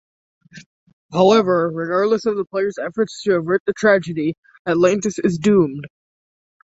However, regardless of the player's efforts to avert the tragedy, Atlantis is doomed.